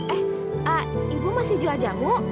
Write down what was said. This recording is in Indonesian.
eh ibu masih jual jamu